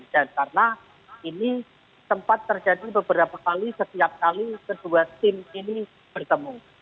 dan karena ini sempat terjadi beberapa kali setiap kali kedua tim ini bertemu